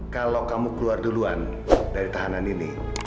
kalau kamu keluar duluan dari tahanan ini